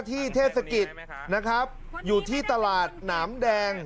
เทศกิจนะครับอยู่ที่ตลาดหนามแดง